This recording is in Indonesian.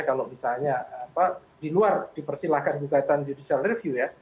kalau misalnya di luar dipersilahkan gugatan judicial review ya